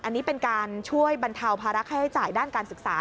อันนี้เป็นการช่วยบรรเทาภาระค่าใช้จ่ายด้านการศึกษา